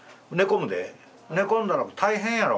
寝込んだら大変やろ？